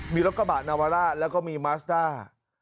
มีรถกระบะนาวาร่าแล้วก็มีมาสต้า